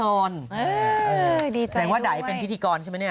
เออดีใจอีกจริงว่าไดเป็นพิธีกรใช่ไหมเนี่ย